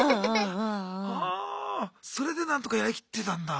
それで何とかやりきってたんだ。